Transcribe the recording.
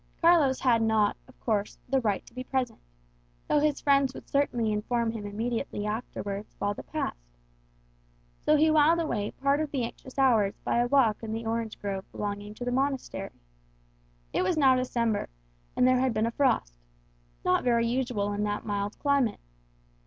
Carlos had not, of course, the right to be present, though his friends would certainly inform him immediately afterwards of all that passed. So he whiled away part of the anxious hours by a walk in the orange grove belonging to the monastery. It was now December, and there had been a frost not very usual in that mild climate.